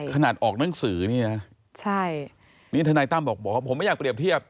ขนาดออกหนังสือนี่นะใช่นี่ทนายตั้มบอกบอกว่าผมไม่อยากเรียบเทียบ